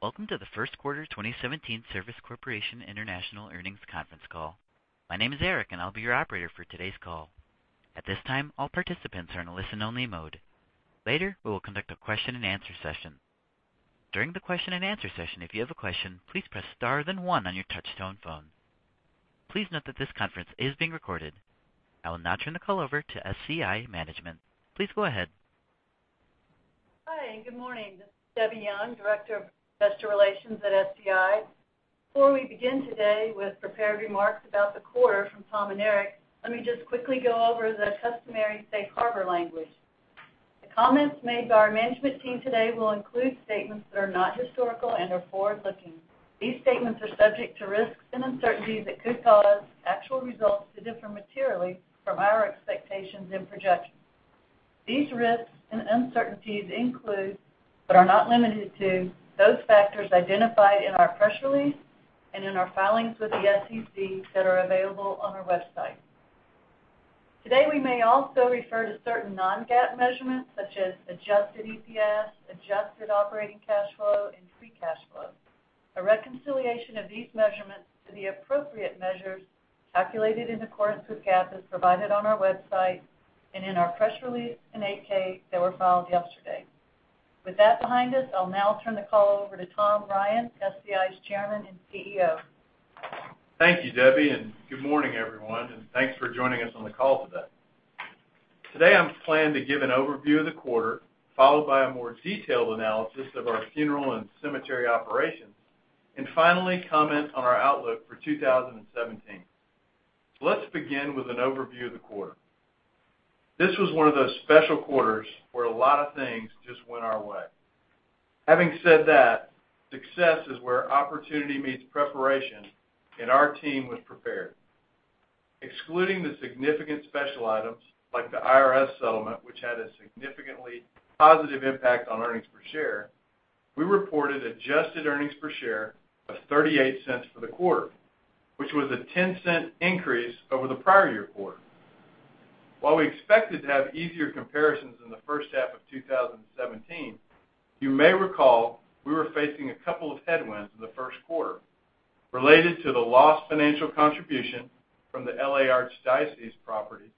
Welcome to the first quarter 2017 Service Corporation International earnings conference call. My name is Eric, and I'll be your operator for today's call. At this time, all participants are in listen-only mode. Later, we will conduct a question and answer session. During the question and answer session, if you have a question, please press star then one on your touch-tone phone. Please note that this conference is being recorded. I will now turn the call over to SCI management. Please go ahead. Hi, good morning. This is Debbie Young, Director of Investor Relations at SCI. Before we begin today with prepared remarks about the quarter from Tom and Eric, let me just quickly go over the customary safe harbor language. The comments made by our management team today will include statements that are not historical and are forward-looking. These statements are subject to risks and uncertainties that could cause actual results to differ materially from our expectations and projections. These risks and uncertainties include, but are not limited to, those factors identified in our press release and in our filings with the SEC that are available on our website. Today, we may also refer to certain non-GAAP measurements such as adjusted EPS, adjusted operating cash flow, and free cash flow. A reconciliation of these measurements to the appropriate measures calculated in accordance with GAAP is provided on our website and in our press release in an 8-K that were filed yesterday. With that behind us, I'll now turn the call over to Tom Ryan, SCI's Chairman and CEO. Thank you, Debbie, and good morning, everyone, and thanks for joining us on the call today. Today, I'm planning to give an overview of the quarter, followed by a more detailed analysis of our funeral and cemetery operations, and finally, comment on our outlook for 2017. Let's begin with an overview of the quarter. This was one of those special quarters where a lot of things just went our way. Having said that, success is where opportunity meets preparation, and our team was prepared. Excluding the significant special items like the IRS settlement, which had a significantly positive impact on earnings per share, we reported adjusted earnings per share of $0.38 for the quarter, which was a $0.10 increase over the prior year quarter. While we expected to have easier comparisons in the first half of 2017, you may recall we were facing a couple of headwinds in the first quarter related to the lost financial contribution from the L.A. Archdiocese property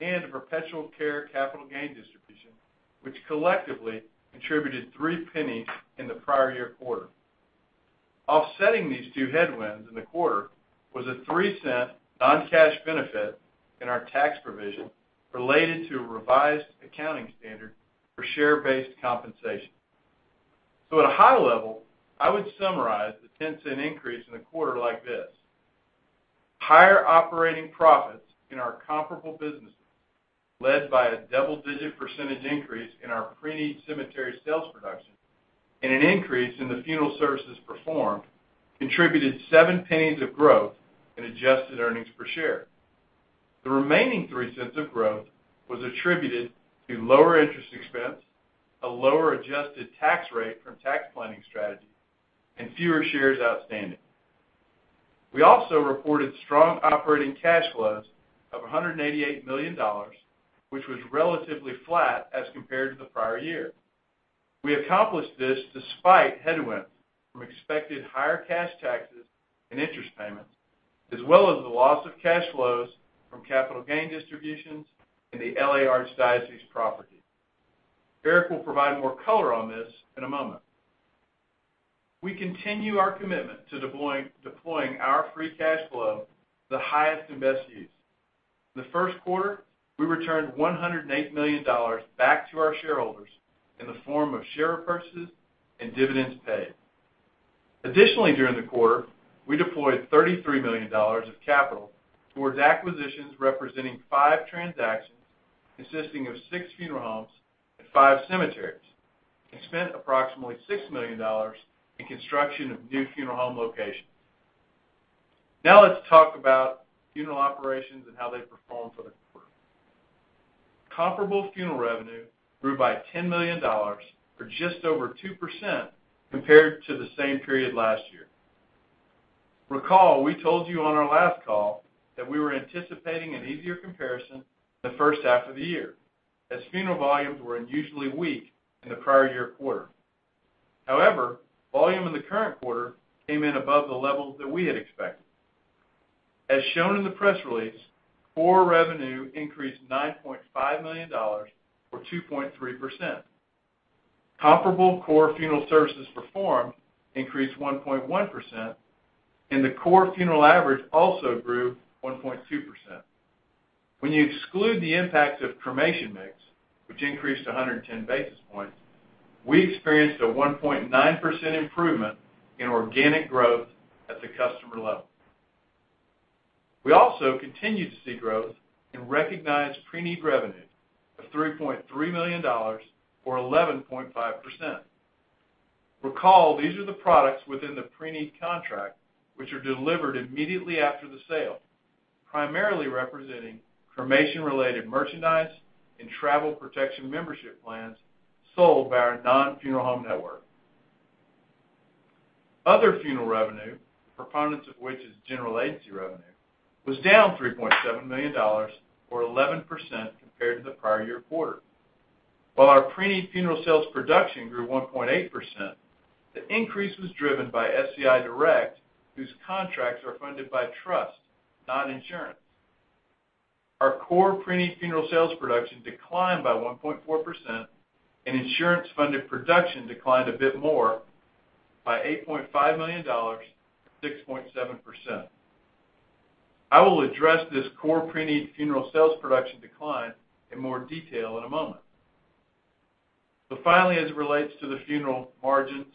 and a perpetual care capital gain distribution, which collectively contributed $0.03 in the prior year quarter. Offsetting these two headwinds in the quarter was a $0.03 non-cash benefit in our tax provision related to a revised accounting standard for share-based compensation. At a high level, I would summarize the $0.10 increase in the quarter like this. Higher operating profits in our comparable businesses, led by a double-digit percentage increase in our preneed cemetery sales production and an increase in the funeral services performed, contributed $0.07 of growth in adjusted earnings per share. The remaining $0.03 of growth was attributed to lower interest expense, a lower adjusted tax rate from tax planning strategy, and fewer shares outstanding. We also reported strong operating cash flows of $188 million, which was relatively flat as compared to the prior year. We accomplished this despite headwinds from expected higher cash taxes and interest payments, as well as the loss of cash flows from capital gain distributions in the L.A. Archdiocese property. Eric will provide more color on this in a moment. We continue our commitment to deploying our free cash flow, the highest invest use. The first quarter, we returned $108 million back to our shareholders in the form of share purchases and dividends paid. Additionally, during the quarter, we deployed $33 million of capital towards acquisitions representing five transactions consisting of six funeral homes and five cemeteries and spent approximately $6 million in construction of new funeral home locations. Let's talk about funeral operations and how they performed for the quarter. Comparable funeral revenue grew by $10 million or just over 2% compared to the same period last year. Recall, we told you on our last call that we were anticipating an easier comparison the first half of the year, as funeral volumes were unusually weak in the prior year quarter. Volume in the current quarter came in above the level that we had expected. As shown in the press release, core revenue increased $9.5 million or 2.3%. Comparable core funeral services performed increased 1.1%, and the core funeral average also grew 1.2%. When you exclude the impact of cremation mix, which increased 110 basis points, we experienced a 1.9% improvement in organic growth at the customer level. We also continued to see growth in recognized preneed revenue of $3.3 million or 11.5%. Recall, these are the products within the preneed contract which are delivered immediately after the sale, primarily representing cremation-related merchandise and travel protection membership plans sold by our non-funeral home network. Other funeral revenue, the preponderance of which is general agency revenue, was down $3.7 million or 11% compared to the prior year quarter. While our preneed funeral sales production grew 1.8%, the increase was driven by SCI Direct, whose contracts are funded by trust, not insurance. Our core preneed funeral sales production declined by 1.4%, and insurance-funded production declined a bit more by $8.5 million, 6.7%. I will address this core preneed funeral sales production decline in more detail in a moment. Finally, as it relates to the funeral margins,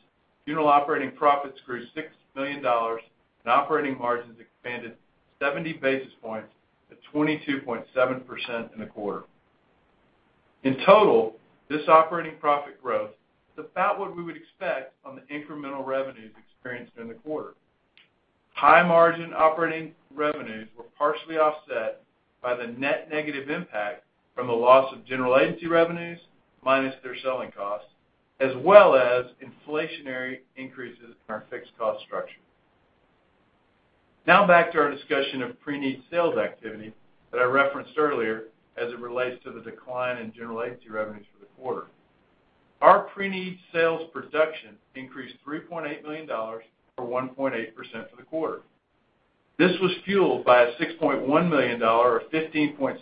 funeral operating profits grew $6 million and operating margins expanded 70 basis points to 22.7% in the quarter. In total, this operating profit growth is about what we would expect on the incremental revenues experienced during the quarter. High-margin operating revenues were partially offset by the net negative impact from the loss of general agency revenues minus their selling costs, as well as inflationary increases in our fixed cost structure. Back to our discussion of preneed sales activity that I referenced earlier as it relates to the decline in general agency revenues for the quarter. Our preneed sales production increased $3.8 million, or 1.8% for the quarter. This was fueled by a $6.1 million, or 15.6%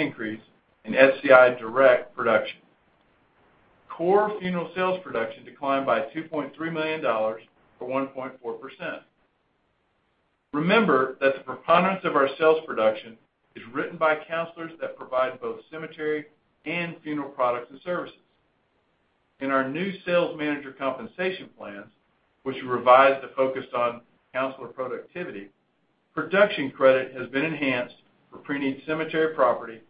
increase in SCI Direct production. Core funeral sales production declined by $2.3 million to 1.4%. Remember that the preponderance of our sales production is written by counselors that provide both cemetery and funeral products and services. In our new sales manager compensation plans, which we revised to focus on counselor productivity, production credit has been enhanced for preneed cemetery property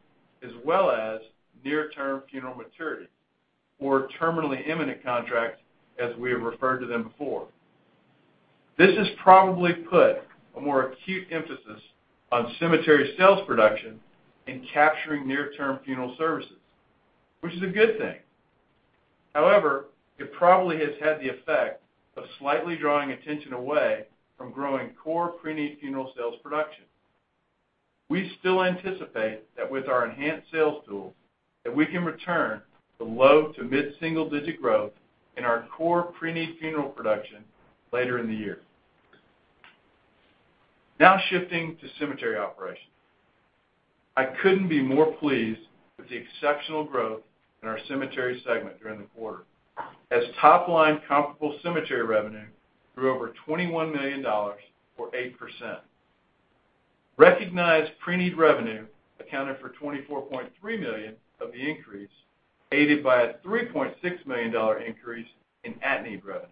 as well as near-term funeral maturity, or terminally imminent contracts, as we have referred to them before. This has probably put a more acute emphasis on cemetery sales production in capturing near-term funeral services, which is a good thing. However, it probably has had the effect of slightly drawing attention away from growing core preneed funeral sales production. We still anticipate that with our enhanced sales tools, that we can return the low- to mid-single-digit growth in our core preneed funeral production later in the year. Shifting to cemetery operations. I couldn't be more pleased with the exceptional growth in our cemetery segment during the quarter, as top-line comparable cemetery revenue grew over $21 million or 8%. Recognized preneed revenue accounted for $24.3 million of the increase, aided by a $3.6 million increase in at-need revenue.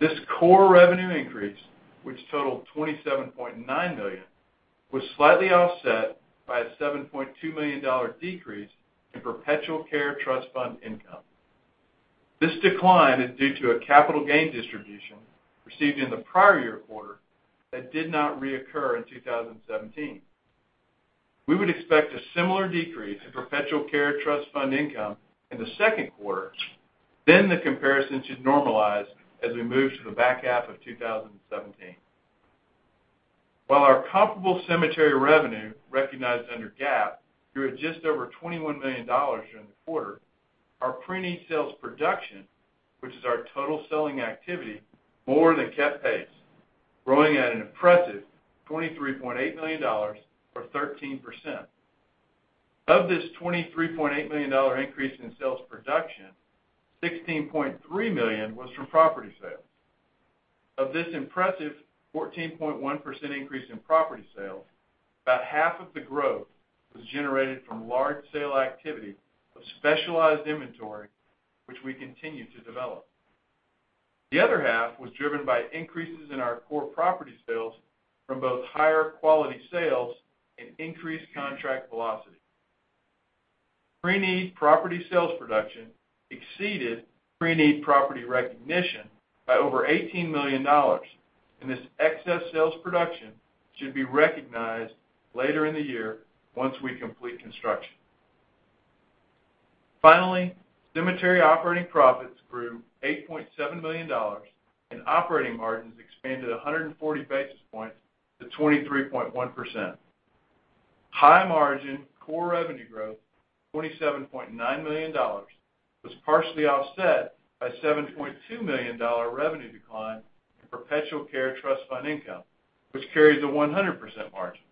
This core revenue increase, which totaled $27.9 million, was slightly offset by a $7.2 million decrease in perpetual care trust fund income. This decline is due to a capital gain distribution received in the prior year quarter that did not reoccur in 2017. We would expect a similar decrease in perpetual care trust fund income in the second quarter, the comparison should normalize as we move to the back half of 2017. While our comparable cemetery revenue recognized under GAAP grew at just over $21 million during the quarter, our preneed sales production, which is our total selling activity, more than kept pace, growing at an impressive $23.8 million or 13%. Of this $23.8 million increase in sales production, $16.3 million was from property sales. Of this impressive 14.1% increase in property sales, about half of the growth was generated from large sale activity of specialized inventory, which we continue to develop. The other half was driven by increases in our core property sales from both higher quality sales and increased contract velocity. Preneed property sales production exceeded preneed property recognition by over $18 million, and this excess sales production should be recognized later in the year once we complete construction. Finally, cemetery operating profits grew $8.7 million, and operating margins expanded 140 basis points to 23.1%. High-margin core revenue growth, $27.9 million, was partially offset by $7.2 million revenue decline in perpetual care trust fund income, which carries a 100% margin.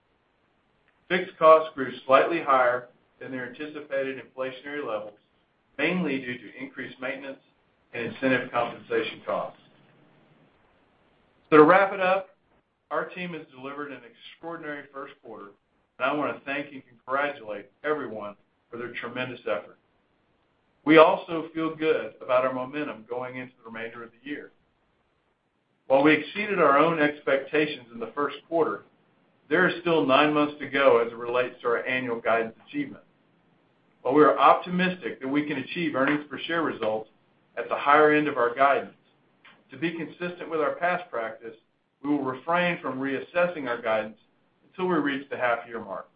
Fixed costs grew slightly higher than their anticipated inflationary levels, mainly due to increased maintenance and incentive compensation costs. To wrap it up, our team has delivered an extraordinary first quarter, and I want to thank and congratulate everyone for their tremendous effort. We also feel good about our momentum going into the remainder of the year. While we exceeded our own expectations in the first quarter, there are still nine months to go as it relates to our annual guidance achievement. While we are optimistic that we can achieve earnings per share results at the higher end of our guidance, to be consistent with our past practice, we will refrain from reassessing our guidance until we reach the half-year mark.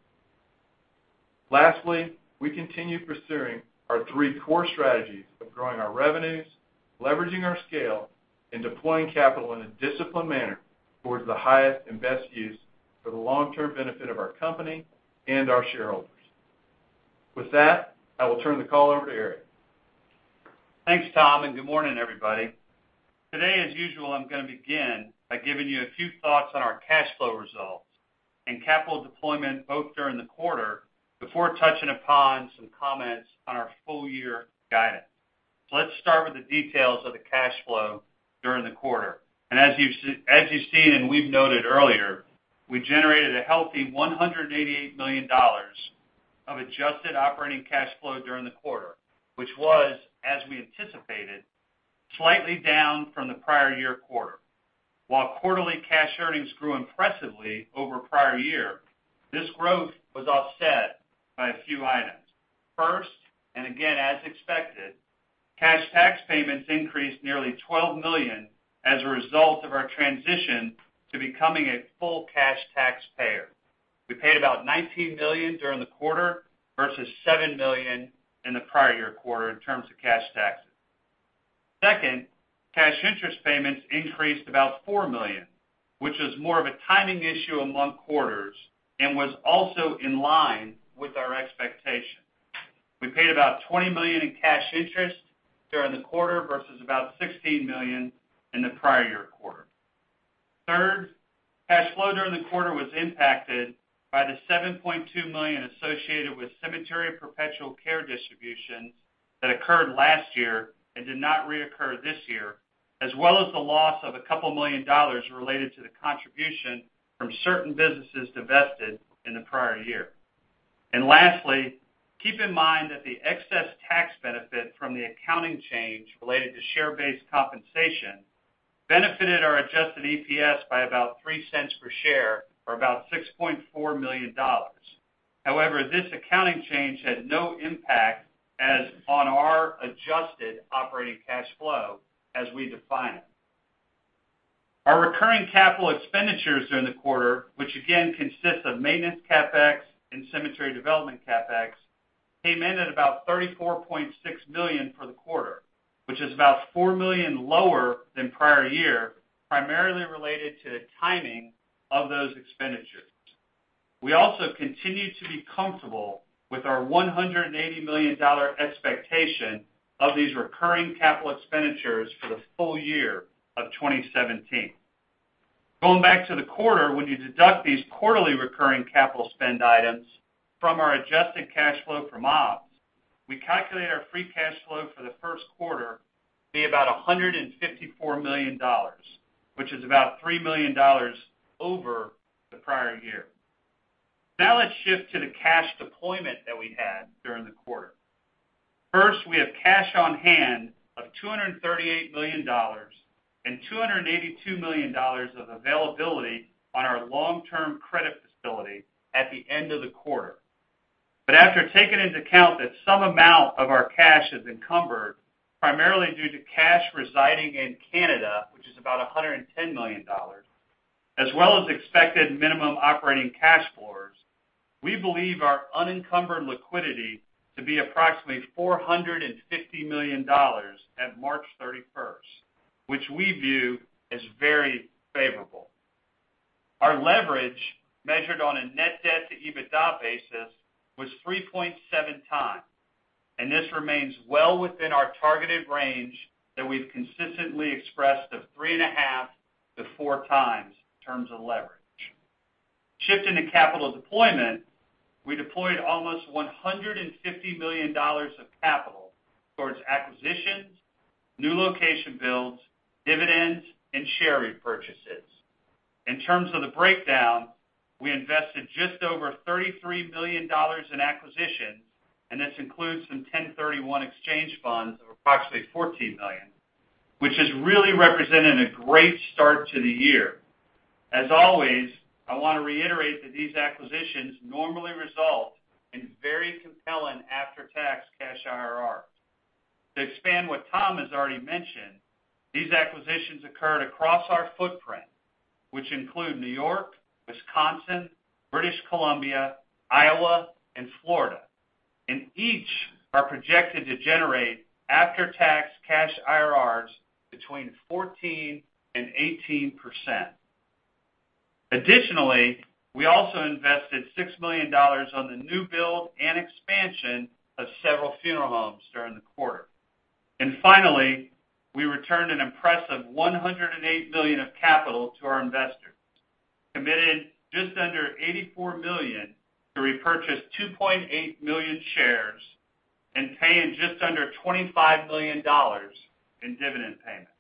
Lastly, we continue pursuing our three core strategies of growing our revenues, leveraging our scale, and deploying capital in a disciplined manner towards the highest and best use for the long-term benefit of our company and our shareholders. With that, I will turn the call over to Eric. Thanks, Tom, and good morning, everybody. Today, as usual, I'm going to begin by giving you a few thoughts on our cash flow results and capital deployment, both during the quarter, before touching upon some comments on our full-year guidance. Let's start with the details of the cash flow during the quarter. As you've seen, and we've noted earlier, we generated a healthy $188 million of adjusted operating cash flow during the quarter, which was, as we anticipated, slightly down from the prior year quarter. While quarterly cash earnings grew impressively over prior year, this growth was offset by a few items. First, again, as expected, cash tax payments increased nearly $12 million as a result of our transition to becoming a full cash taxpayer. We paid about $19 million during the quarter versus $7 million in the prior year quarter in terms of cash taxes. Second, cash interest payments increased about $4 million, which is more of a timing issue among quarters and was also in line with our expectations. We paid about $20 million in cash interest during the quarter versus about $16 million in the prior year quarter. Third, cash flow during the quarter was impacted by the $7.2 million associated with cemetery perpetual care distributions that occurred last year and did not reoccur this year, as well as the loss of a couple million dollars related to the contribution from certain businesses divested in the prior year. Lastly, keep in mind that the excess tax benefit from the accounting change related to share-based compensation benefited our adjusted EPS by about $0.03 per share or about $6.4 million. However, this accounting change had no impact on our adjusted operating cash flow as we define it. Our recurring capital expenditures during the quarter, which again consists of maintenance CapEx and cemetery development CapEx, came in at about $34.6 million for the quarter, which is about $4 million lower than prior year, primarily related to timing of those expenditures. We also continue to be comfortable with our $180 million expectation of these recurring capital expenditures for the full year of 2017. Going back to the quarter, when you deduct these quarterly recurring capital spend items from our adjusted cash flow from ops, we calculate our free cash flow for the first quarter to be about $154 million, which is about $3 million over the prior year. Let's shift to the cash deployment that we had during the quarter. First, we have cash on hand of $238 million and $282 million of availability on our long-term credit facility at the end of the quarter. After taking into account that some amount of our cash is encumbered, primarily due to cash residing in Canada, which is about $110 million, as well as expected minimum operating cash floors, we believe our unencumbered liquidity to be approximately $450 million at March 31st, which we view as very favorable. Our leverage, measured on a net debt to EBITDA basis, was 3.7 times, and this remains well within our targeted range that we've consistently expressed of three and a half to four times in terms of leverage. Shifting to capital deployment, we deployed almost $150 million of capital towards acquisitions, new location builds, dividends, and share repurchases. In terms of the breakdown, we invested just over $33 million in acquisitions, and this includes some 1031 exchange bonds of approximately $14 million, which has really represented a great start to the year. As always, I want to reiterate that these acquisitions normally result in very compelling after-tax cash IRRs. To expand what Tom has already mentioned, these acquisitions occurred across our footprint, which include New York, Wisconsin, British Columbia, Iowa, and Florida, and each are projected to generate after-tax cash IRRs between 14%-18%. Additionally, we also invested $6 million on the new build and expansion of several funeral homes during the quarter. Finally, we returned an impressive $108 million of capital to our investors, committed just under $84 million to repurchase 2.8 million shares, and paying just under $25 million in dividend payments.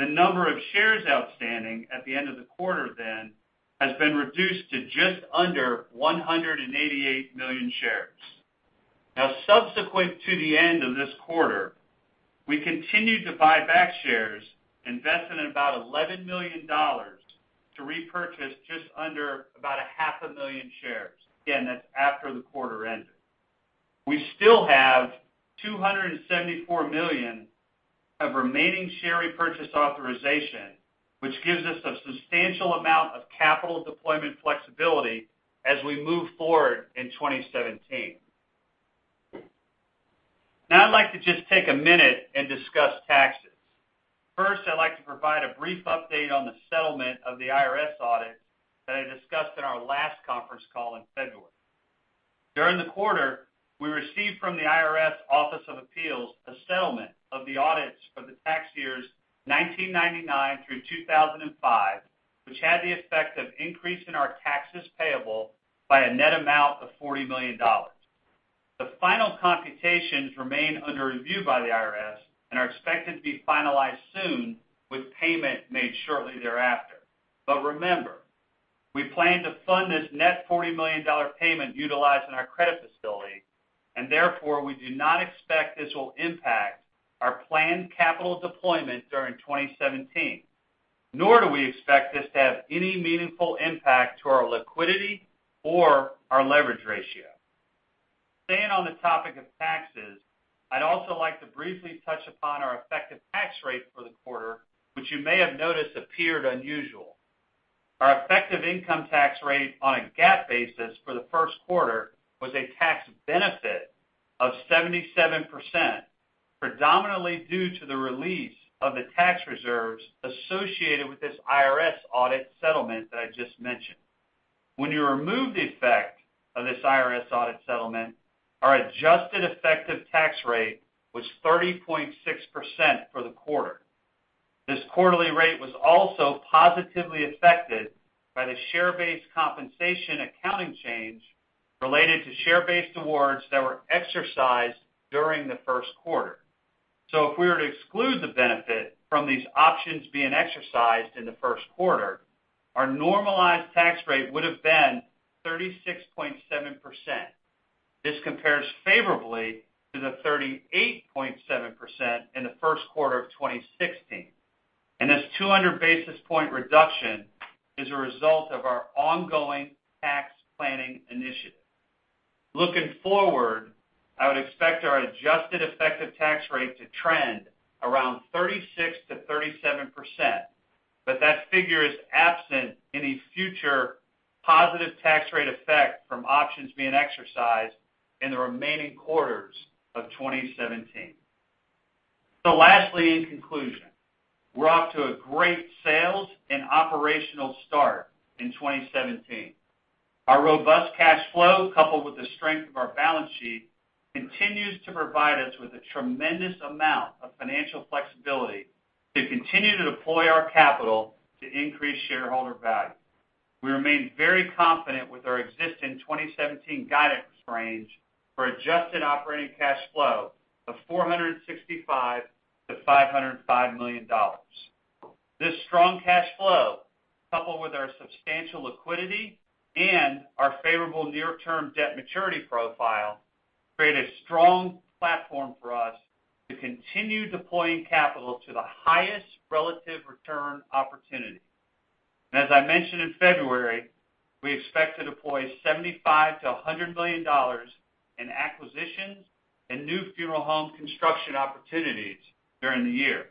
The number of shares outstanding at the end of the quarter then has been reduced to just under 188 million shares. Subsequent to the end of this quarter, we continued to buy back shares, investing about $11 million to repurchase just under about a half a million shares. Again, that's after the quarter ended. We still have $274 million of remaining share repurchase authorization, which gives us a substantial amount of capital deployment flexibility as we move forward in 2017. I'd like to just take a minute and discuss taxes. First, I'd like to provide a brief update on the settlement of the IRS audit that I discussed in our last conference call in February. During the quarter, we received from the IRS Office of Appeals a settlement of the audits for the tax years 1999 through 2005, which had the effect of increasing our taxes payable by a net amount of $40 million. The final computations remain under review by the IRS and are expected to be finalized soon, with payment made shortly thereafter. Remember, we plan to fund this net $40 million payment utilizing our credit facility, and therefore, we do not expect this will impact our planned capital deployment during 2017, nor do we expect this to have any meaningful impact to our liquidity or our leverage ratio. Staying on the topic of taxes, I'd also like to briefly touch upon our effective tax rate for the quarter, which you may have noticed appeared unusual. Our effective income tax rate on a GAAP basis for the first quarter was a tax benefit of 77%, predominantly due to the release of the tax reserves associated with this IRS audit settlement that I just mentioned. When you remove the effect of this IRS audit settlement, our adjusted effective tax rate was 30.6% for the quarter. This quarterly rate was also positively affected by the share-based compensation accounting change related to share-based awards that were exercised during the first quarter. If we were to exclude the benefit from these options being exercised in the first quarter, our normalized tax rate would've been 36.7%. This compares favorably to the 38.7% in the first quarter of 2016, and this 200 basis point reduction is a result of our ongoing tax planning initiative. Looking forward, I would expect our adjusted effective tax rate to trend around 36% to 37%, but that figure is absent any future positive tax rate effect from options being exercised in the remaining quarters of 2017. Lastly, in conclusion, we're off to a great sales and operational start in 2017. Our robust cash flow, coupled with the strength of our balance sheet, continues to provide us with a tremendous amount of financial flexibility to continue to deploy our capital to increase shareholder value. We remain very confident with our existing 2017 guidance range for adjusted operating cash flow of $465 million to $505 million. This strong cash flow, coupled with our substantial liquidity and our favorable near-term debt maturity profile, create a strong platform for us to continue deploying capital to the highest relative return opportunity. As I mentioned in February, we expect to deploy $75 million to $100 million in acquisitions and new funeral home construction opportunities during the year.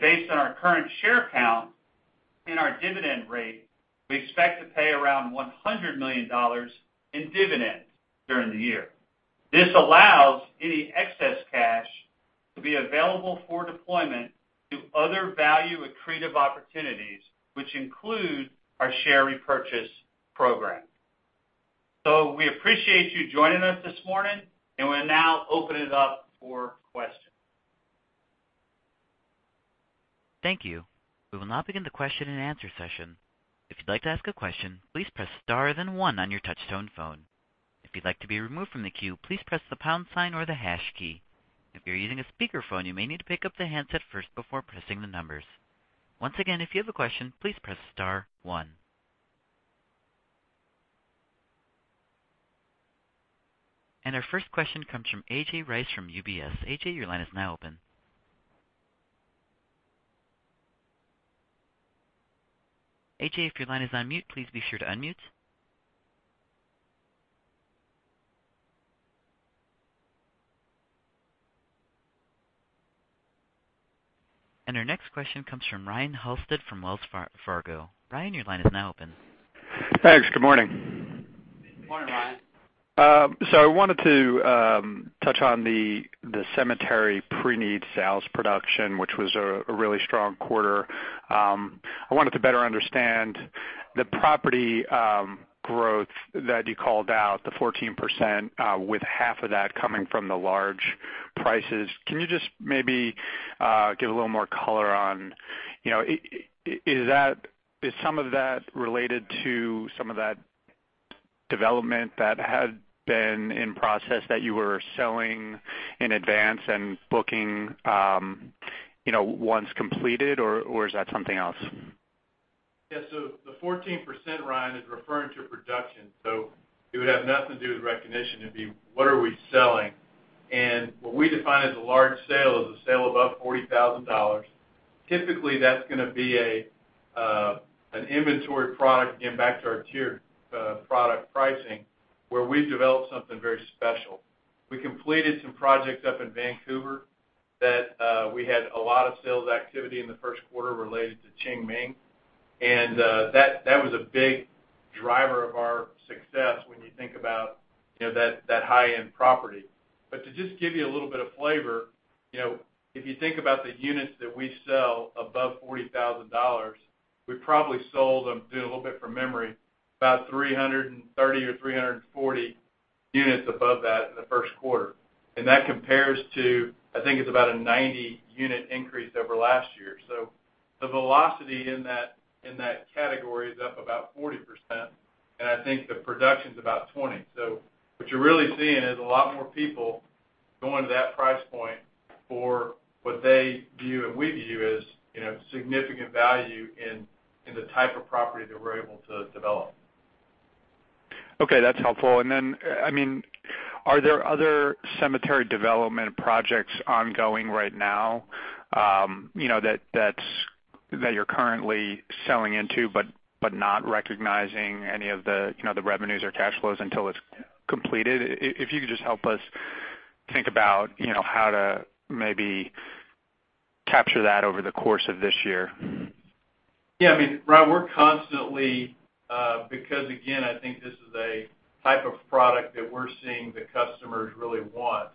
Based on our current share count and our dividend rate, we expect to pay around $100 million in dividends during the year. This allows any excess cash to be available for deployment to other value-accretive opportunities, which include our share repurchase program. We appreciate you joining us this morning, and we'll now open it up for questions. Thank you. We will now begin the question and answer session. If you'd like to ask a question, please press star then one on your touch tone phone. If you'd like to be removed from the queue, please press the pound sign or the hash key. If you're using a speakerphone, you may need to pick up the handset first before pressing the numbers. Once again, if you have a question, please press star one. Our first question comes from A.J. Rice from UBS. A.J., your line is now open. A.J., if your line is on mute, please be sure to unmute. Our next question comes from Ryan Halsted from Wells Fargo. Ryan, your line is now open. Thanks. Good morning. Morning, Ryan. I wanted to touch on the cemetery preneed sales production, which was a really strong quarter. I wanted to better understand the property growth that you called out, the 14%, with half of that coming from the large prices. Can you just maybe give a little more color. Is some of that related to some of that development that had been in process that you were selling in advance and booking once completed, or is that something else? The 14%, Ryan, is referring to production, so it would have nothing to do with recognition. It'd be what are we selling What we define as a large sale is a sale above $40,000. Typically, that's going to be an inventory product, again, back to our tier product pricing, where we've developed something very special. We completed some projects up in Vancouver that we had a lot of sales activity in the first quarter related to Qingming Festival, and that was a big driver of our success when you think about that high-end property. To just give you a little bit of flavor, if you think about the units that we sell above $40,000, we probably sold, I'm doing a little bit from memory, about 330 or 340 units above that in the first quarter. That compares to, I think it's about a 90-unit increase over last year. The velocity in that category is up about 40%, and I think the production's about 20%. What you're really seeing is a lot more people going to that price point for what they view and we view as significant value in the type of property that we're able to develop. Okay, that's helpful. Are there other cemetery development projects ongoing right now that you're currently selling into but not recognizing any of the revenues or cash flows until it's completed? If you could just help us think about how to maybe capture that over the course of this year. Tom, again, I think this is a type of product that we're seeing the customers really want.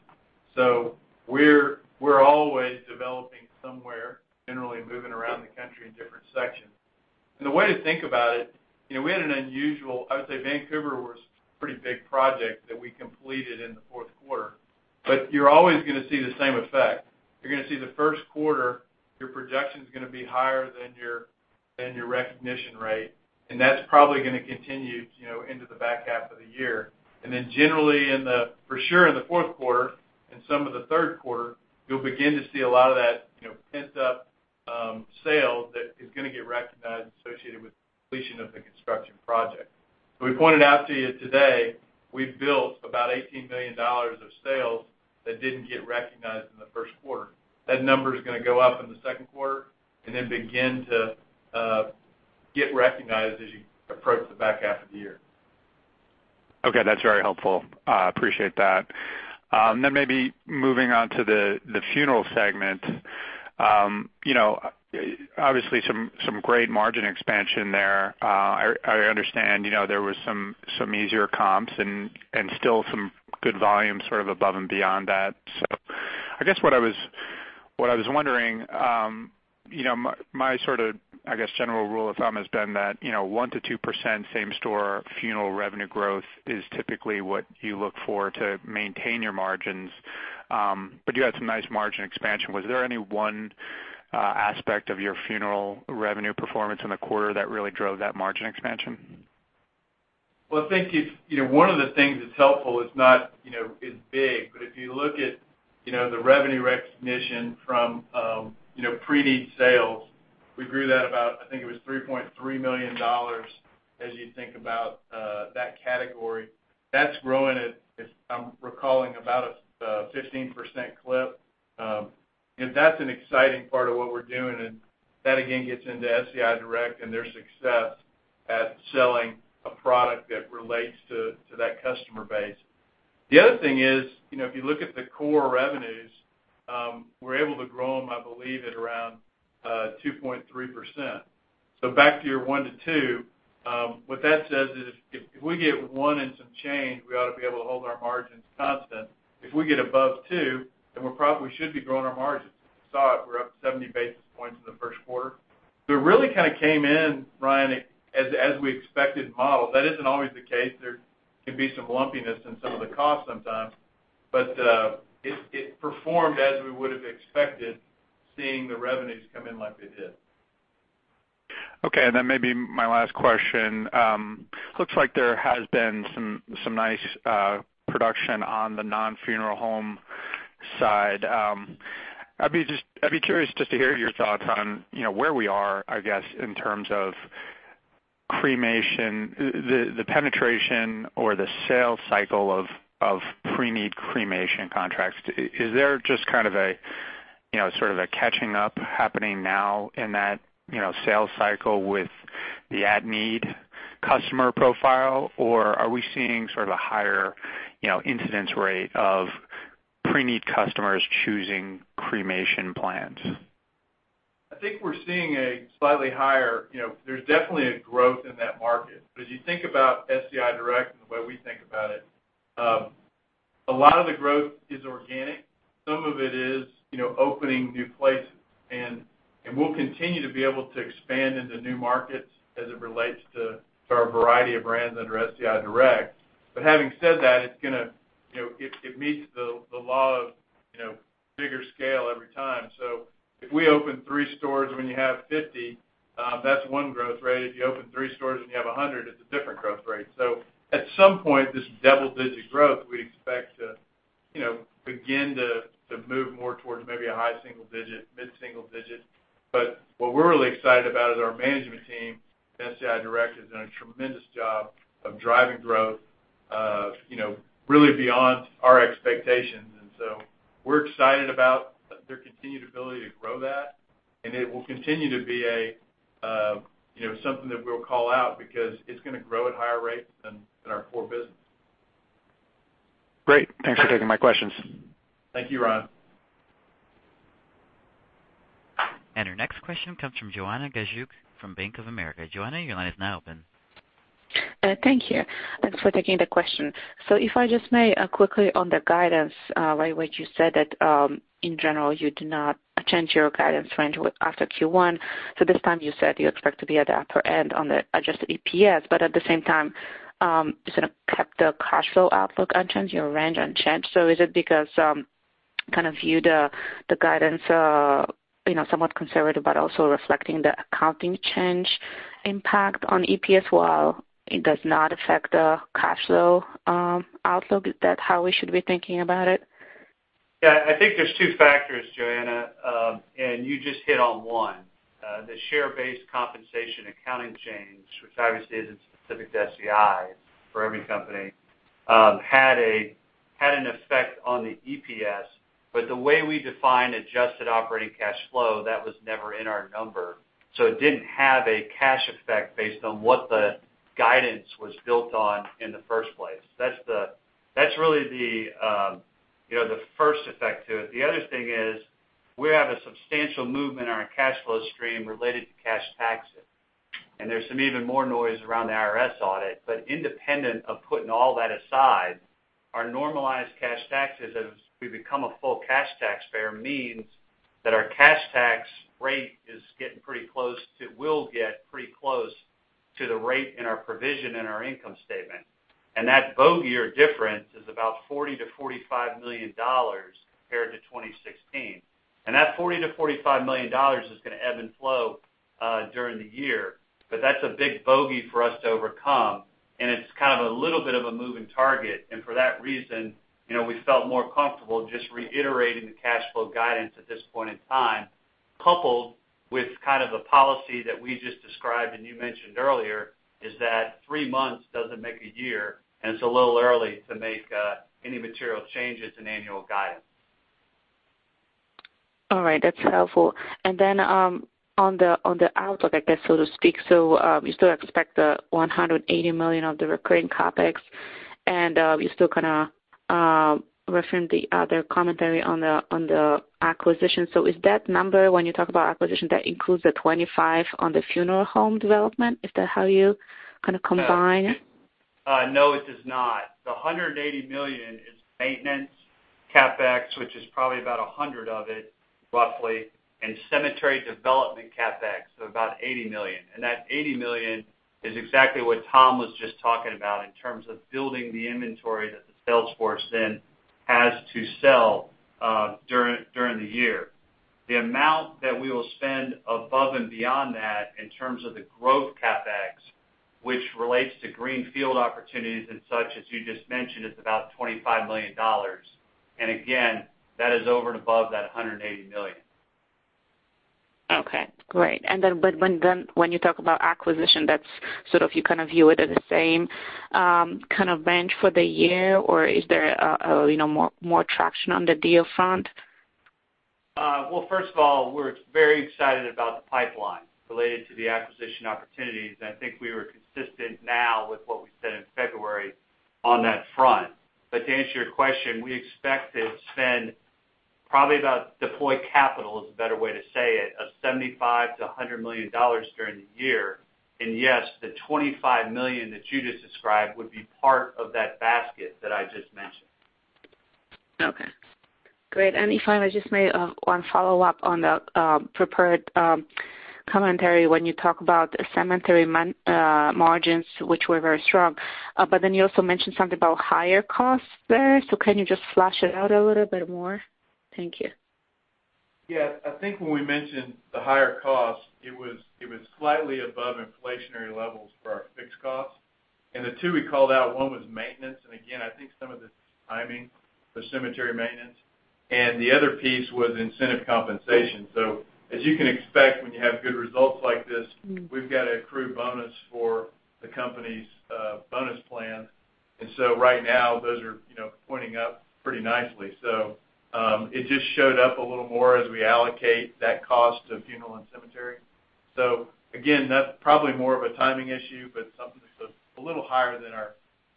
We're always developing somewhere, generally moving around the country in different sections. The way to think about it, we had an unusual project. I would say Vancouver was a pretty big project that we completed in the fourth quarter. You're always going to see the same effect. You're going to see the first quarter, your projection's going to be higher than your recognition rate, and that's probably going to continue into the back half of the year. Generally, for sure in the fourth quarter and some of the third quarter, you'll begin to see a lot of that pent-up sale that is going to get recognized and associated with the completion of the construction project. We pointed out to you today, we've built about $18 million of sales that didn't get recognized in the first quarter. That number is going to go up in the second quarter and then begin to get recognized as you approach the back half of the year. That's very helpful. I appreciate that. Maybe moving on to the funeral segment. Obviously, some great margin expansion there. I understand there was some easier comps and still some good volume sort of above and beyond that. I guess what I was wondering, my sort of general rule of thumb has been that 1%-2% same store funeral revenue growth is typically what you look for to maintain your margins. You had some nice margin expansion. Was there any one aspect of your funeral revenue performance in the quarter that really drove that margin expansion? I think one of the things that's helpful is big. If you look at the revenue recognition from preneed sales, we grew that about, I think it was $3.3 million as you think about that category. That's growing at, if I'm recalling, about a 15% clip. That's an exciting part of what we're doing, and that again gets into SCI Direct and their success at selling a product that relates to that customer base. The other thing is, if you look at the core revenues, we're able to grow them, I believe, at around 2.3%. Back to your one to two, what that says is if we get one and some change, we ought to be able to hold our margins constant. If we get above two, we probably should be growing our margins. As you saw it, we're up 70 basis points in the first quarter. It really kind of came in, Ryan, as we expected and modeled. That isn't always the case. There can be some lumpiness in some of the costs sometimes. It performed as we would've expected, seeing the revenues come in like they did. Okay, maybe my last question. Looks like there has been some nice production on the non-funeral home side. I'd be curious just to hear your thoughts on where we are, I guess, in terms of cremation, the penetration or the sales cycle of preneed cremation contracts. Is there just sort of a catching up happening now in that sales cycle with the at-need customer profile? Are we seeing sort of a higher incidence rate of preneed customers choosing cremation plans? I think we're seeing a slightly higher. There's definitely a growth in that market. As you think about SCI Direct and the way we think about it, a lot of the growth is organic. Some of it is opening new places. We'll continue to be able to expand into new markets as it relates to our variety of brands under SCI Direct. Having said that, it meets the law of bigger scale every time. If we open three stores and when you have 50, that's one growth rate. If you open three stores and you have 100, it's a different growth rate. At some point, this double-digit growth, we expect to begin to move more towards maybe a high single digit, mid-single digit. What we're really excited about is our management team SCI Direct has done a tremendous job of driving growth really beyond our expectations. We're excited about their continued ability to grow that, and it will continue to be something that we'll call out because it's going to grow at higher rates than our core business. Great. Thanks for taking my questions. Thank you, Ryan. Our next question comes from Joanna Gajuk from Bank of America. Joanna, your line is now open. Thank you. Thanks for taking the question. If I just may, quickly on the guidance, right, which you said that, in general, you do not change your guidance range after Q1. This time you said you expect to be at the upper end on the adjusted EPS, but at the same time, you sort of kept the cash flow outlook unchanged, your range unchanged. Is it because kind of view the guidance somewhat conservative, but also reflecting the accounting change impact on EPS, while it does not affect the cash flow outlook? Is that how we should be thinking about it? Yeah, I think there's two factors, Joanna, and you just hit on one. The share-based compensation accounting change, which obviously isn't specific to SCI, it's for every company, had an effect on the EPS, but the way we define adjusted operating cash flow, that was never in our number. It didn't have a cash effect based on what the guidance was built on in the first place. That's really the first effect to it. The other thing is we have a substantial movement on our cash flow stream related to cash taxes. There's some even more noise around the IRS audit. Independent of putting all that aside, our normalized cash taxes, as we become a full cash taxpayer, means that our cash tax rate will get pretty close to the rate in our provision in our income statement. That bogey or difference is about $40 million-$45 million compared to 2016. That $40 million-$45 million is going to ebb and flow during the year. That's a big bogey for us to overcome, and it's kind of a little bit of a moving target. For that reason, we felt more comfortable just reiterating the cash flow guidance at this point in time, coupled with kind of a policy that we just described and you mentioned earlier, is that three months doesn't make a year, and it's a little early to make any material changes in annual guidance. All right. That's helpful. Then, on the outlook, I guess, so to speak, you still expect the $180 million of the recurring CapEx, and you're still going to reframe the other commentary on the acquisition. Is that number, when you talk about acquisition, that includes the $25 on the funeral home development? Is that how you kind of combine? No, it does not. The $180 million is maintenance CapEx, which is probably about $100 of it, roughly, and cemetery development CapEx, so about $80 million. That $80 million is exactly what Tom was just talking about in terms of building the inventory that the sales force then has to sell during the year. The amount that we will spend above and beyond that in terms of the growth CapEx, which relates to greenfield opportunities and such, as you just mentioned, is about $25 million. Again, that is over and above that $180 million. Okay, great. When you talk about acquisition, that's sort of you kind of view it as the same kind of bench for the year, or is there more traction on the deal front? Well, first of all, we're very excited about the pipeline related to the acquisition opportunities. I think we were consistent now with what we said in February on that front. To answer your question, we expect to spend probably about, deploy capital is a better way to say it, of $75 million-$100 million during the year. Yes, the $25 million that you just described would be part of that basket that I just mentioned. Okay, great. If I just may, one follow-up on the prepared commentary when you talk about cemetery margins, which were very strong. You also mentioned something about higher costs there. Can you just flesh it out a little bit more? Thank you. Yeah. I think when we mentioned the higher cost, it was slightly above inflationary levels for our fixed costs. The two we called out, one was maintenance. Again, I think some of it is timing for cemetery maintenance. The other piece was incentive compensation. As you can expect when you have good results like this, we've got an accrued bonus for the company's bonus plan. Right now, those are pointing up pretty nicely. It just showed up a little more as we allocate that cost to funeral and cemetery. Again, that's probably more of a timing issue, but something that's a little higher than our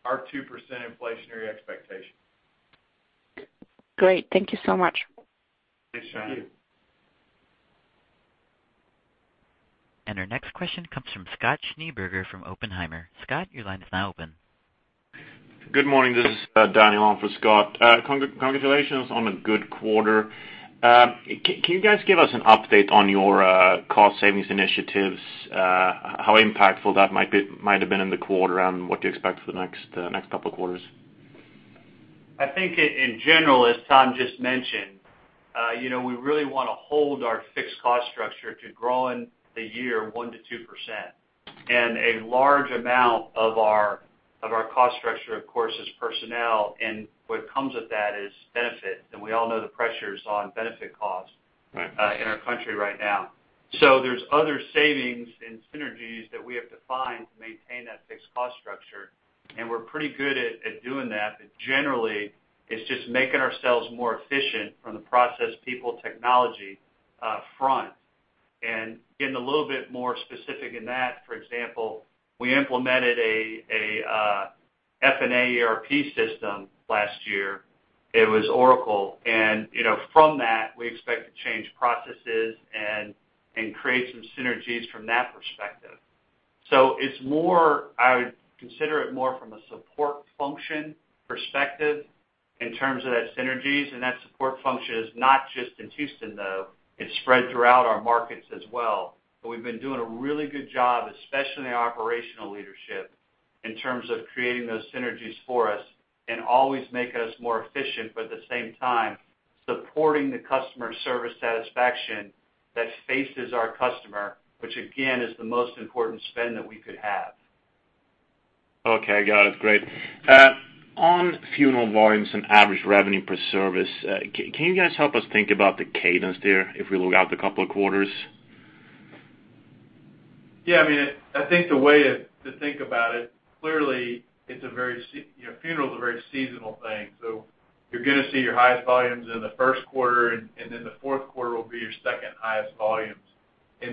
2% inflationary expectation. Great. Thank you so much. Thanks, Joanna. Our next question comes from Scott Schneeberger from Oppenheimer. Scott, your line is now open. Good morning. This is Daniel on for Scott. Congratulations on a good quarter. Can you guys give us an update on your cost savings initiatives, how impactful that might have been in the quarter, and what do you expect for the next couple of quarters? I think in general, as Tom just mentioned, we really want to hold our fixed cost structure to growing the year 1%-2%. A large amount of our cost structure, of course, is personnel, and what comes with that is benefit. We all know the pressures on benefit costs. Right in our country right now. There's other savings and synergies that we have to find to maintain that fixed cost structure, and we're pretty good at doing that. Generally, it's just making ourselves more efficient from the process people technology front. Getting a little bit more specific in that, for example, we implemented a F&A ERP system last year. It was Oracle. From that, we expect to change processes and create some synergies from that perspective. I would consider it more from a support function perspective in terms of that synergies, and that support function is not just in Houston, though. It's spread throughout our markets as well. We've been doing a really good job, especially in the operational leadership, in terms of creating those synergies for us and always make us more efficient, but at the same time, supporting the customer service satisfaction that faces our customer, which again, is the most important spend that we could have. Okay. Got it. Great. On funeral volumes and average revenue per service, can you guys help us think about the cadence there if we look out a couple of quarters? Yeah. I think the way to think about it, clearly funeral's a very seasonal thing. You're going to see your highest volumes in the first quarter, and then the fourth quarter will be your second highest volumes.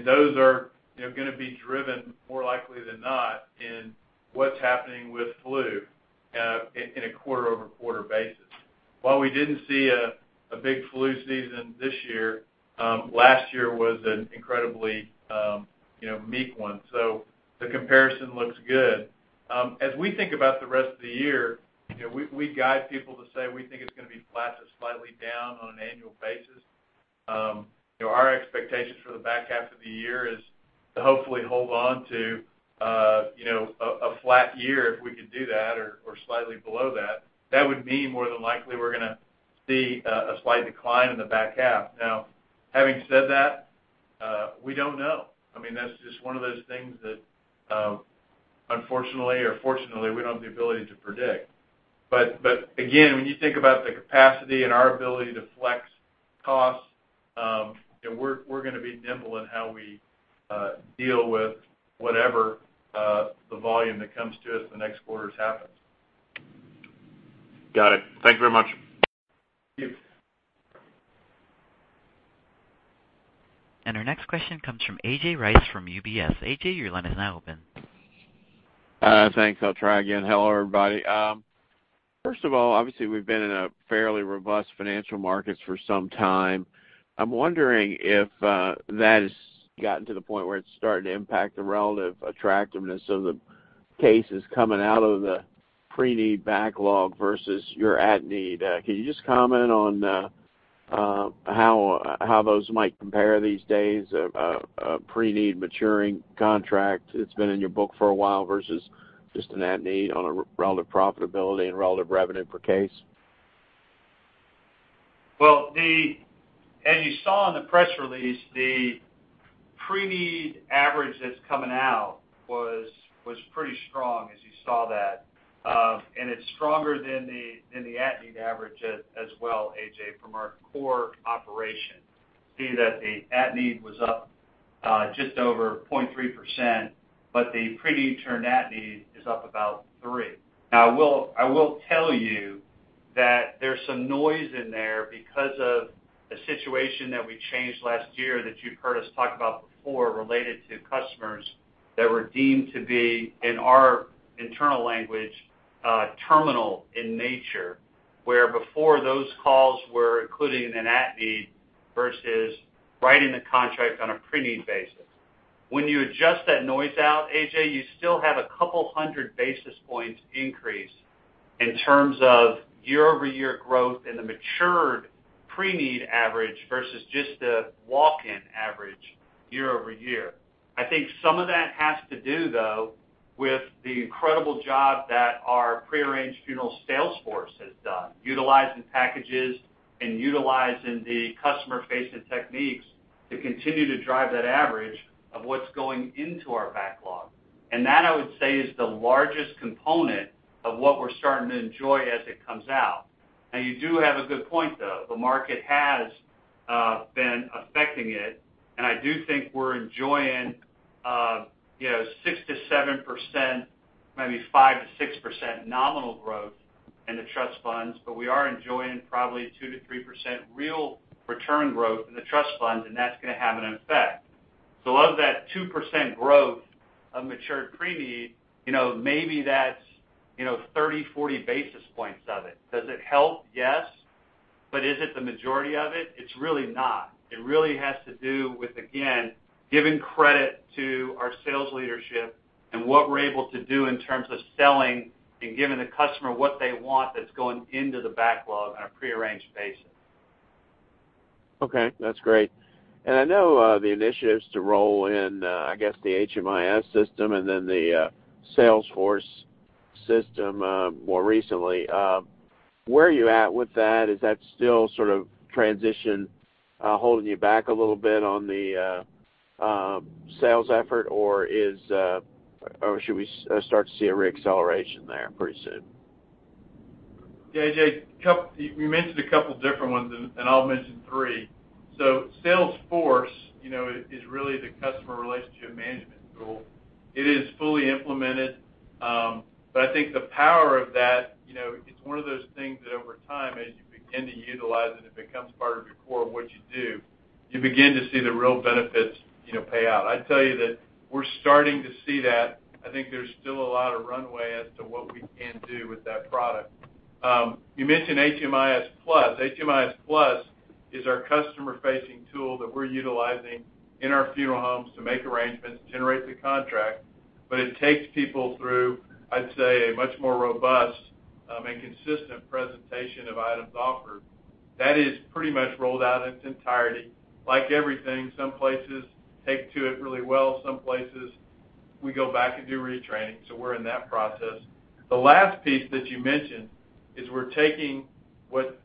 Those are going to be driven more likely than not in what's happening with flu in a quarter-over-quarter basis. While we didn't see a big flu season this year, last year was an incredibly meek one, so the comparison looks good. As we think about the rest of the year, we guide people to say we think it's going to be flat to slightly down on an annual basis. Our expectations for the back half of the year is to hopefully hold on to a flat year, if we could do that, or slightly below that. That would mean more than likely, we're going to see a slight decline in the back half. Now, having said that, we don't know. That's just one of those things that, unfortunately or fortunately, we don't have the ability to predict. Again, when you think about the capacity and our ability to flex costs, we're going to be nimble in how we deal with whatever the volume that comes to us the next quarters happens. Got it. Thank you very much. Thank you. Our next question comes from A.J. Rice from UBS. AJ, your line is now open. Thanks. I'll try again. Hello, everybody. First of all, obviously, we've been in a fairly robust financial market for some time. I'm wondering if that has gotten to the point where it's starting to impact the relative attractiveness of the cases coming out of the preneed backlog versus your at-need. Can you just comment on how those might compare these days, a preneed maturing contract that's been in your book for a while versus just an at-need on a relative profitability and relative revenue per case? Well, as you saw in the press release, the preneed average that's coming out was pretty strong as you saw that. It's stronger than the at-need average as well, AJ, from our core operation. See that the at-need was up just over 0.3%, but the preneed turned at-need is up about 3%. I will tell you that there's some noise in there because of a situation that we changed last year that you've heard us talk about before related to customers that were deemed to be, in our internal language, terminal in nature, where before those calls were included in an at-need versus writing the contract on a preneed basis. When you adjust that noise out, AJ, you still have a couple hundred basis points increase in terms of year-over-year growth in the matured preneed average versus just the walk-in average year-over-year. I think some of that has to do, though, with the incredible job that our pre-arranged funeral sales force has done, utilizing packages and utilizing the customer-facing techniques to continue to drive that average of what's going into our backlog. That, I would say, is the largest component of what we're starting to enjoy as it comes out. You do have a good point, though. The market has been affecting it, and I do think we're enjoying 6%-7%, maybe 5%-6% nominal growth in the trust funds, but we are enjoying probably 2%-3% real return growth in the trust funds, and that's going to have an effect. Of that 2% growth of matured preneed, maybe that's 30, 40 basis points of it. Does it help? Yes. Is it the majority of it? It's really not. It really has to do with, again, giving credit to our sales leadership and what we're able to do in terms of selling and giving the customer what they want that's going into the backlog on a pre-arranged basis. Okay. That's great. I know the initiatives to roll in, I guess the HMIS system and then the Salesforce system more recently. Where are you at with that? Is that still sort of transition holding you back a little bit on the sales effort, or should we start to see a re-acceleration there pretty soon? A.J., you mentioned a couple different ones. I'll mention three. Salesforce is really the customer relationship management tool. It is fully implemented. I think the power of that, it's one of those things that over time, as you begin to utilize it becomes part of your core of what you do. You begin to see the real benefits pay out. I'd tell you that we're starting to see that. I think there's still a lot of runway as to what we can do with that product. You mentioned HMIS Plus. HMIS Plus is our customer-facing tool that we're utilizing in our funeral homes to make arrangements, generate the contract. It takes people through, I'd say, a much more robust and consistent presentation of items offered. That is pretty much rolled out in its entirety. Like everything, some places take to it really well. Some places, we go back and do retraining. We're in that process. The last piece that you mentioned is we're taking what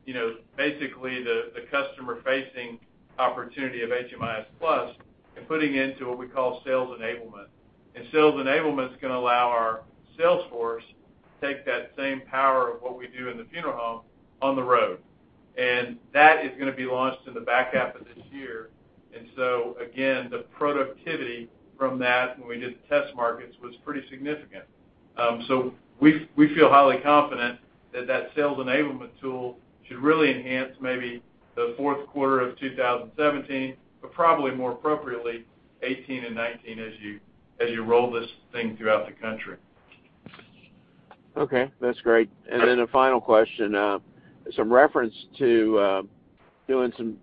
basically the customer-facing opportunity of HMIS Plus and putting into what we call sales enablement. sales enablement is going to allow our sales force to take that same power of what we do in the funeral home on the road. That is going to be launched in the back half of this year. Again, the productivity from that when we did the test markets was pretty significant. We feel highly confident that that sales enablement tool should really enhance maybe the fourth quarter of 2017, but probably more appropriately 2018 and 2019 as you roll this thing throughout the country. Okay, that's great. Then a final question. Some reference to doing some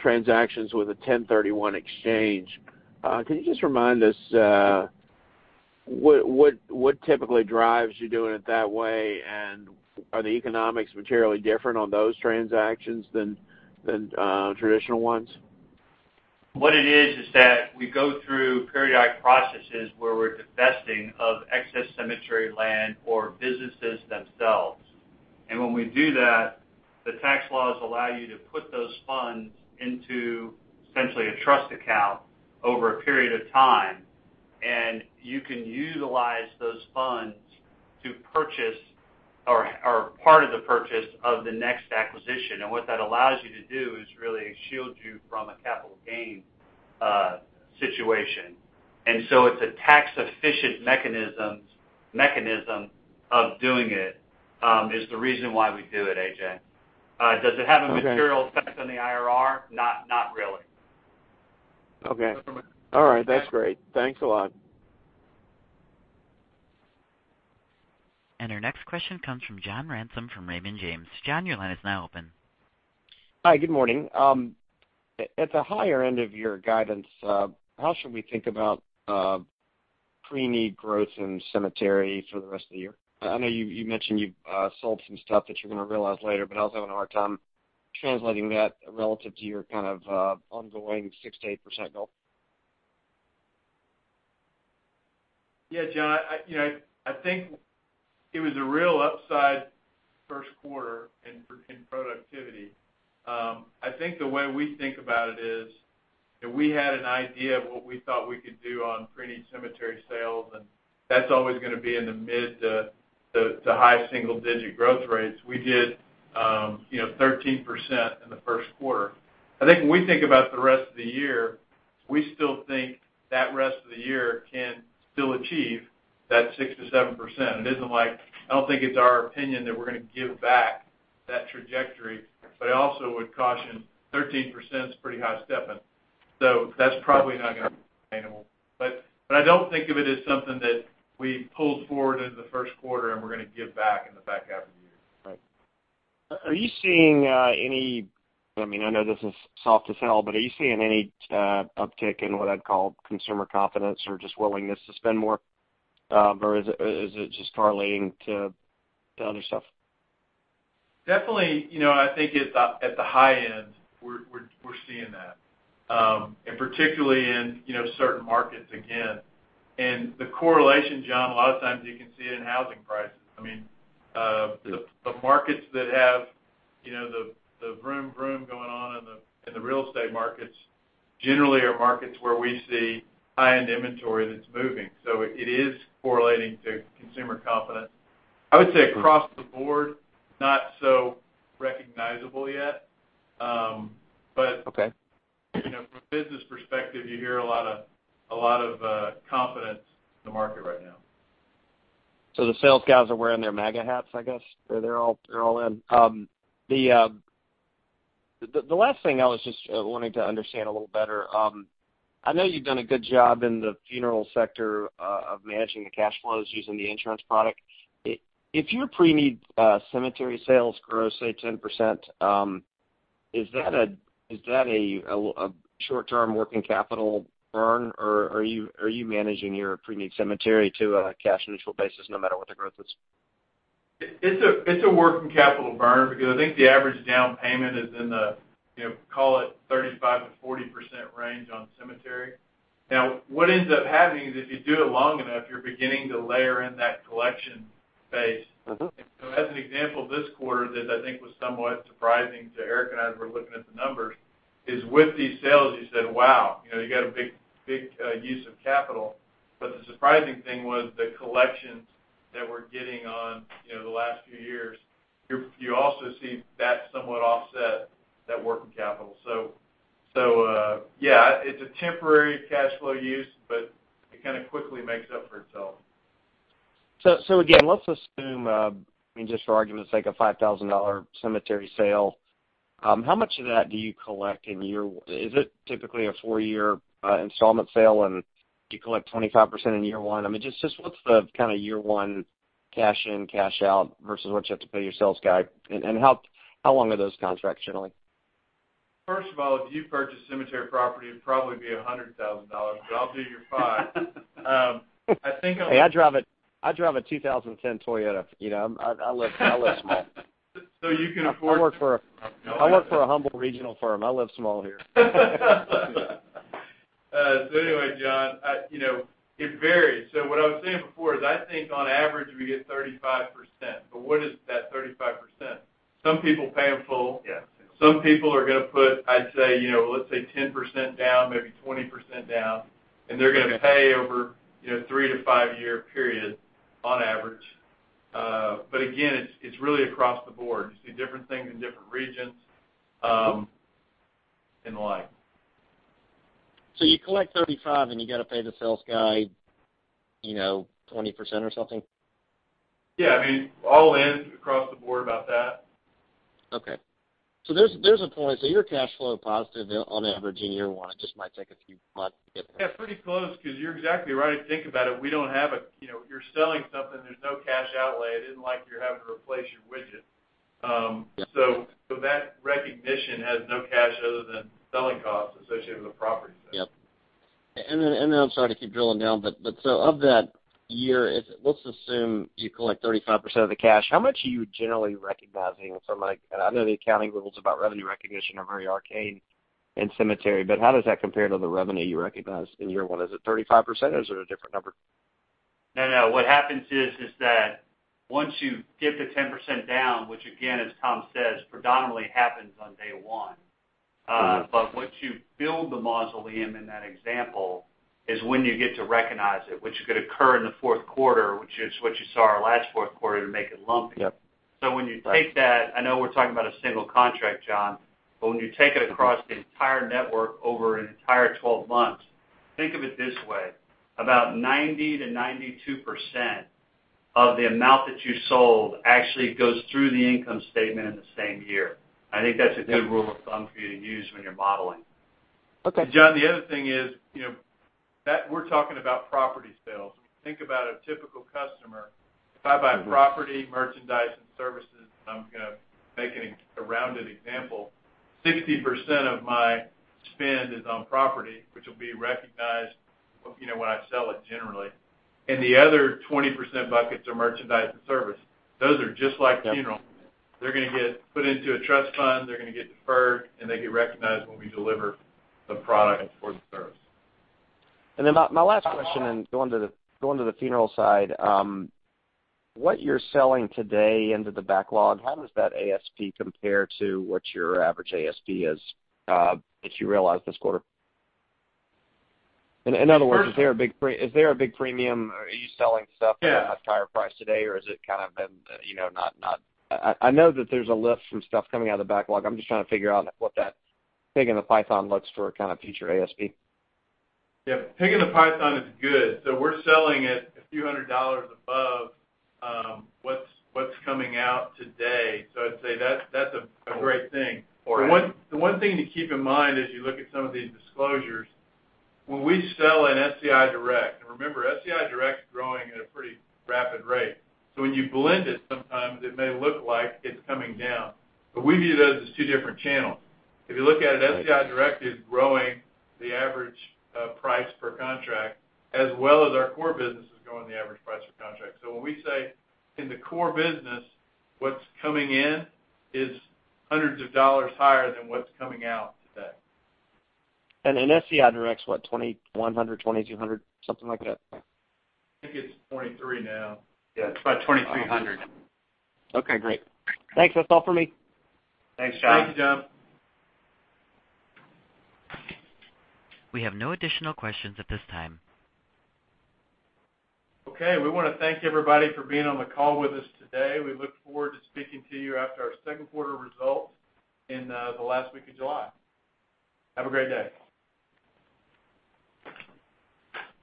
transactions with a 1031 exchange. Can you just remind us what typically drives you doing it that way? Are the economics materially different on those transactions than traditional ones? What it is that we go through periodic processes where we're divesting of excess cemetery land or businesses themselves. When we do that, the tax laws allow you to put those funds into essentially a trust account over a period of time, and you can utilize those funds to purchase, or part of the purchase, of the next acquisition. What that allows you to do is really shield you from a capital gain situation. It's a tax-efficient mechanism of doing it, is the reason why we do it, A.J. Does it have a material effect on the IRR? Not really. Okay. All right. That's great. Thanks a lot. Our next question comes from John Ransom from Raymond James. John, your line is now open. Hi, good morning. At the higher end of your guidance, how should we think about preneed growth in cemetery for the rest of the year? I know you mentioned you sold some stuff that you're going to realize later, but I was having a hard time translating that relative to your kind of ongoing 6%-8% goal. John, I think it was a real upside first quarter in productivity. I think the way we think about it is that we had an idea of what we thought we could do on preneed cemetery sales, that's always going to be in the mid to high single-digit growth rates. We did 13% in the first quarter. I think when we think about the rest of the year, we still think that rest of the year can still achieve that 6%-7%. I don't think it's our opinion that we're going to give back that trajectory. I also would caution, 13% is pretty high stepping. That's probably not going to be sustainable. I don't think of it as something that we pulled forward into the first quarter, and we're going to give back in the back half of the year. Right. Are you seeing any? I know this is soft to sell, but are you seeing any uptick in what I'd call consumer confidence or just willingness to spend more? Is it just correlating to other stuff? Definitely, I think at the high end, we're seeing that, particularly in certain markets again. The correlation, John, a lot of times you can see it in housing prices. The markets that have the vroom going on in the real estate markets generally are markets where we see high-end inventory that's moving. It is correlating to consumer confidence. I would say across the board, not so recognizable yet. Okay. From a business perspective, you hear a lot of confidence in the market right now. The sales guys are wearing their MAGA hats, I guess. They're all in. The last thing I was just wanting to understand a little better. I know you've done a good job in the funeral sector of managing the cash flows using the insurance product. If your preneed cemetery sales grow, say, 10%, is that a short-term working capital burn, or are you managing your preneed cemetery to a cash-neutral basis no matter what the growth is? It's a working capital burn because I think the average down payment is in the, call it 35%-40% range on cemetery. What ends up happening is if you do it long enough, you're beginning to layer in that collection phase. As an example this quarter that I think was somewhat surprising to Eric and I as we're looking at the numbers is with these sales, you said, wow, you got a big use of capital. The surprising thing was the collections that we're getting on the last few years, you also see that somewhat offset that working capital. Yeah, it's a temporary cash flow use, but it quickly makes up for itself. Again, let's assume, just for argument's sake, a $5,000 cemetery sale. How much of that do you collect in a year? Is it typically a four-year installment sale, and you collect 25% in year one? I mean, just what's the kind of year one cash in, cash out versus what you have to pay your sales guy? How long are those contracts, generally? First of all, if you purchase cemetery property, it'd probably be $100,000, but I'll do your five. I think. Hey, I drive a 2010 Toyota. I live small. You can afford. I work for a humble regional firm. I live small here. Anyway, John, it varies. What I was saying before is I think on average we get 35%, what is that 35%? Some people pay in full. Yes. Some people are going to put, I'd say, let's say 10% down, maybe 20% down. Okay. They're going to pay over three to five-year period on average. Again, it's really across the board. You see different things in different regions, and the like. You collect 35, and you got to pay the sales guy 20% or something? Yeah. I mean, all in, across the board about that. Okay. There's a point. You're cash flow positive on average in year one. It just might take a few months to get there. Yeah, pretty close, because you're exactly right. Think about it. You're selling something, there's no cash outlay. It isn't like you're having to replace your widget. Yeah. That recognition has no cash other than selling costs associated with the property sale. Yep. I'm sorry to keep drilling down, of that year, let's assume you collect 35% of the cash. How much are you generally recognizing from, and I know the accounting rules about revenue recognition are very arcane in cemetery, how does that compare to the revenue you recognized in year one? Is it 35%, or is it a different number? No, what happens is that once you get the 10% down, which again, as Tom says, predominantly happens on day one. Once you build the mausoleum in that example is when you get to recognize it, which could occur in the fourth quarter, which is what you saw our last fourth quarter to make it lumpy. Yep. When you take that, I know we're talking about a single contract, John, but when you take it across the entire network over an entire 12 months, think of it this way. About 90%-92% of the amount that you sold actually goes through the income statement in the same year. I think that's a good rule of thumb for you to use when you're modeling. Okay. John, the other thing is, that we're talking about property sales. Think about a typical customer. If I buy property, merchandise, and services, and I'm going to make it a rounded example, 60% of my spend is on property, which will be recognized when I sell it, generally. The other 20% buckets are merchandise and service. Those are just like funeral. They're going to get put into a trust fund, they're going to get deferred, and they get recognized when we deliver the product or the service. My last question, going to the funeral side. What you're selling today into the backlog, how does that ASP compare to what your average ASP is that you realized this quarter? In other words, is there a big premium? Are you selling stuff Yeah at a higher price today, or has it kind of been I know that there's a lift from stuff coming out of the backlog. I'm just trying to figure out what that pig in the python looks for kind of future ASP. Yeah. Pig in the python is good. We're selling it a few $ hundred above what's coming out today. I'd say that's a great thing. All right. The one thing to keep in mind as you look at some of these disclosures, when we sell an SCI Direct, and remember, SCI Direct is growing at a pretty rapid rate. When you blend it, sometimes it may look like it's coming down, but we view those as two different channels. If you look at it, SCI Direct is growing the average price per contract as well as our core business is growing the average price per contract. When we say in the core business, what's coming in is $ hundreds higher than what's coming out today. In SCI Direct is what? $2,100, $2,200? Something like that. I think it's 23 now. Yeah. It's about 2,300. Okay, great. Thanks. That's all for me. Thanks, John. Thank you, John. We have no additional questions at this time. Okay. We want to thank everybody for being on the call with us today. We look forward to speaking to you after our second quarter results in the last week of July. Have a great day.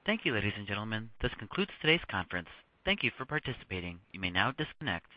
Thank you, ladies and gentlemen. This concludes today's conference. Thank you for participating. You may now disconnect.